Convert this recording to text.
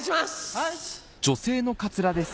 はい。